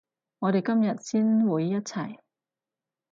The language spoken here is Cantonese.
我哋今日先會一齊